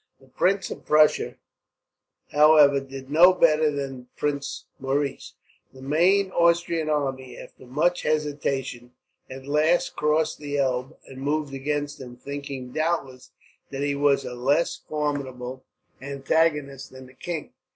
The Prince of Prussia, however, did no better than Prince Maurice. The main Austrian army, after much hesitation, at last crossed the Elbe and moved against him; thinking, doubtless, that he was a less formidable antagonist than the king.